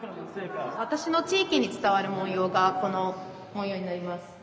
わたしの地域に伝わる文様がこの文様になります。